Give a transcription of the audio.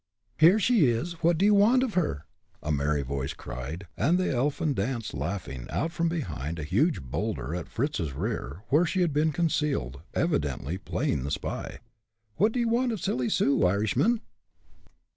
"Here she is what do you want of her?" a merry voice cried, and the elfin danced, laughing, out from behind a huge bowlder at Fritz's rear, where she had been concealed, evidently playing the spy. "What do you want of Silly Sue, Irishman?"